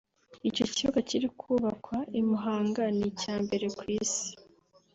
Icyo kibuga kiri kubakwa i Muhanga ni icya mbere ku Isi